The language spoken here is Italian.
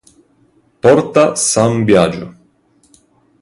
Porta San Biagio